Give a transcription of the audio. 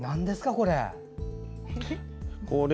これ。